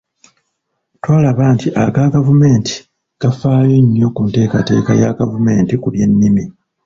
Twalaba nti aga gavumenti gafaayo nnyo ku nteekateeka ya gavumenti ku by’ennimi.